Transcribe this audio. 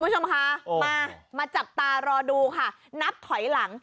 คุณผู้ชมคะมามาจับตารอดูค่ะนับถอยหลัง